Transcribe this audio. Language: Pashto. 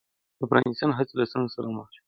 د اپوزېسیون هڅې له ستونزو سره مخ شوې.